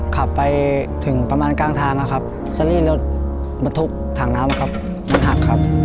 ขับไปถึงประมาณกลางทางนะครับเซอรี่รถบรรทุกถังน้ำครับมันหักครับ